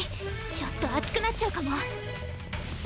ちょっと熱くなっちゃうかも。